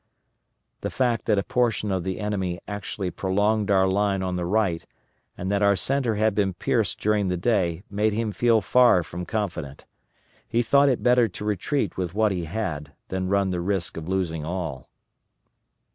The fact that a portion of the enemy actually prolonged our line on the right and that our centre had been pierced during the day, made him feel far from confident. He thought it better to retreat with what he had, than run the risk of losing all.